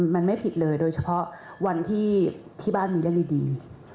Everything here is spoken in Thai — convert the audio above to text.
มันไม่ผิดเลยโดยเฉพาะวันที่บ้านมีเรื่องดี